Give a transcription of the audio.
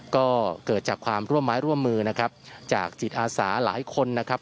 ก็เกิดจากความร่วมไม้ร่วมมือนะครับจากจิตอาสาหลายคนนะครับ